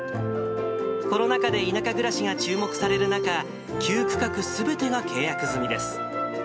コロナ禍で田舎暮らしが注目される中、９区画すべてが契約済みです。